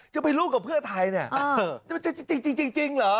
จะไปลูกกับเพื่อนไทยเนี่ยจริงหรือ